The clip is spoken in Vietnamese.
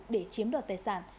để chiếm đoạt tài sản